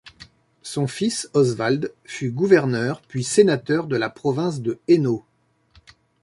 Son fils Oswald fut gouverneur puis sénateur de la province de Hainaut.